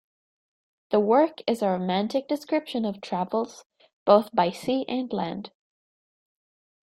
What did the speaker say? The work is a romantic description of travels, both by sea and land.